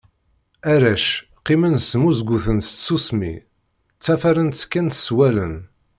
Arrac, qqimen smuzguten s tsusmi, ṭṭafaren-tt kan s wallen.